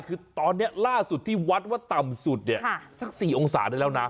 คือตอนนี้ล่าสุดที่วัดว่าต่ำสุดเนี่ยสัก๔องศาได้แล้วนะ